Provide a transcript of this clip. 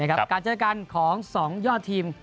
การเจอกันของ๒ยอดทีม